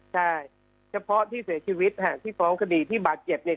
ใช่เฉพาะที่เสียชีวิตฮะที่ฟ้องคดีที่บาดเจ็บเนี่ย